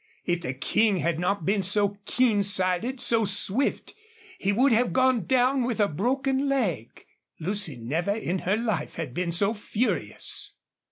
If the King had not been so keen sighted, so swift, he would have gone down with a broken leg. Lucy never in her life had been so furious.